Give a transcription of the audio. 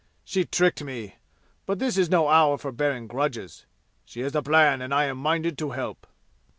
She tricked me! But this is no hour for bearing grudges. She has a plan and I am minded to help."